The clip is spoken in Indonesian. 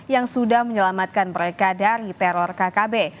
yang sudah menyelamatkan mereka dari teror kkb